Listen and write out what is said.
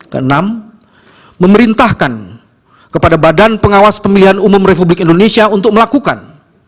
ke enam memerintahkan kepada badan pengawas pemilihan umum republik indonesia untuk melakukan